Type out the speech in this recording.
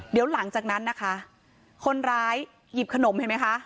เดี๋ยวหลังจากนั้นนะคะคนร้ายหยิบขนมเห็นไหมคะ